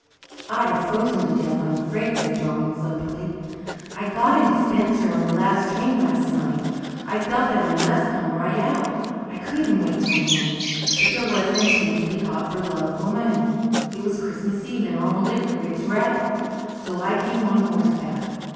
"I'd have frozen to death, I'm afraid," said Donald soberly. "I got into Spencer on the last train last night. I felt that I must come right out I couldn't wait till morning. But there wasn't a team to be got for love or money it was Christmas Eve and all the livery rigs were out. So I came on horseback.